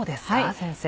先生。